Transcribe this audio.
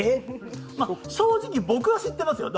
正直、僕は知ってますよ